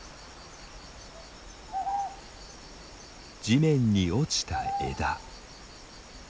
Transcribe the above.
地面に落ちた枝。